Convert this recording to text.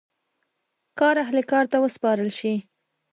کار اهل کار ته وسپارل شي.